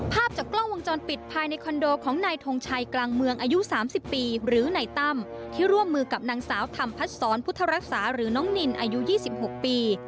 ภาพจากกล้องวงจรปิดภายในคอนโดของนายทงชัยกลางเมืองอายุ๓๐ปีหรือนายตั้มที่ร่วมมือกับนางสาวธรรมพัดศรพุทธรักษาหรือน้องนินอายุ๒๖ปี